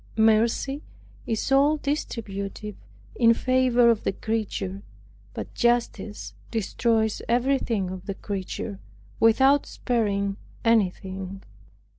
Mercy is all distributive in favor of the creature, but justice destroys everything of the creature, without sparing anything.